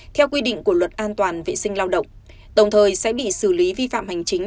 theo quy định của luật an toàn vệ sinh lao động đồng thời sẽ bị xử lý vi phạm hành chính